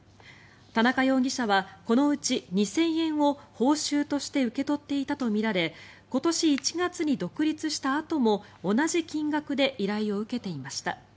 田中容疑者はこのうち２０００円を報酬として受け取っていたとみられ今年１月に独立したあとも同じ金額で依頼を受けていました。